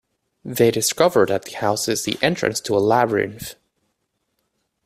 They discover that the house is the entrance to a labyrinth.